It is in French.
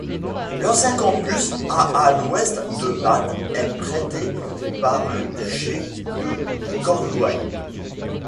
L'ancien campus, à à l'ouest de Bath, est prêté par le Duché de Cornouailles.